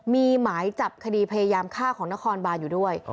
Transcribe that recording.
มีหมายจับคดีพยายามฆ่าของนครบานอยู่ด้วย